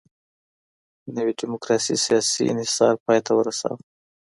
نوي ډيموکراسۍ سياسي انحصار پای ته ورساوه.